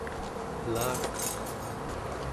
elakaq